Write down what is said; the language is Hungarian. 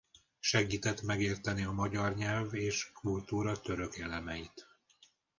Segített megérteni a magyar nyelv és kultúra török elemeit.